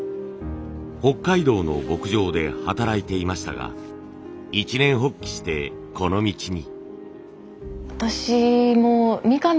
北海道の牧場で働いていましたが一念発起してこの道に。